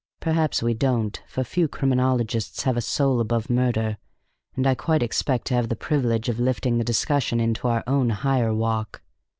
Perhaps we don't, for few criminologists have a soul above murder; and I quite expect to have the privilege of lifting the discussion into our own higher walk.